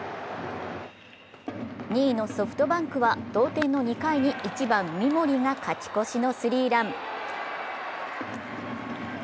２位のソフトバンクは同点の２回に１番・三森が勝ち越しのスリーラン。